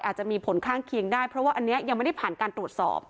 อาจจะมีผลข้างเคียงได้เพราะว่าอันนี้ยังไม่ได้ผ่านการตรวจสอบ